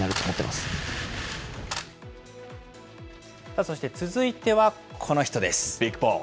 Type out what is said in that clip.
さあ、そして続いてはこの人です。